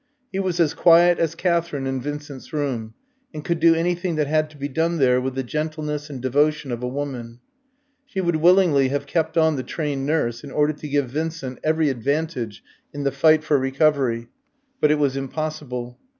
He was as quiet as Katherine in Vincent's room, and could do anything that had to be done there with the gentleness and devotion of a woman. She would willingly have kept on the trained nurse, in order to give Vincent every advantage in the fight for recovery; but it was impossible.